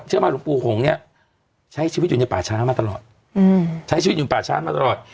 หลวงปู่หงษ์เนี่ยใช้ชีวิตอยู่ในป่าช้ามาตลอดใช้ชีวิตอยู่ป่าช้ามาตลอด